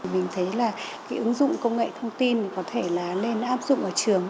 mình thấy là cái ứng dụng công nghệ thông tin có thể là nên áp dụng ở trường